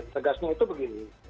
tegasnya itu begini